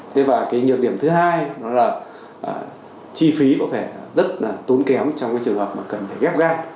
thế và cái nhược điểm thứ hai là chi phí có vẻ rất là tốn kém trong trường hợp cần phải ghép gan